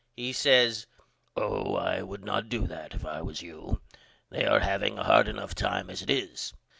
He says Oh, I would not do that if I was you. They are having a hard enough time as it is.